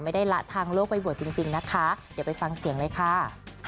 ละทางโลกไปบวชจริงนะคะเดี๋ยวไปฟังเสียงเลยค่ะ